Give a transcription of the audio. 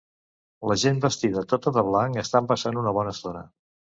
La gent vestida tota de blanc estan passant una bona estona.